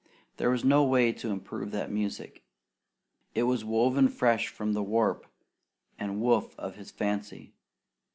There was no way to improve that music. It was woven fresh from the warp and woof of his fancy.